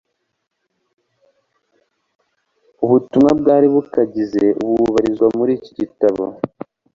Ubutumwa bwari bukagize ubu bubarizwa muri iki gitabo